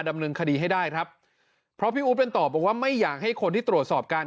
ดำเนินคดีให้ได้ครับเพราะพี่อู๊ดเป็นตอบบอกว่าไม่อยากให้คนที่ตรวจสอบการ